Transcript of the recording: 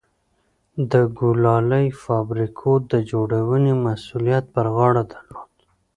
د کولالۍ فابریکو د جوړونې مسوولیت پر غاړه درلود.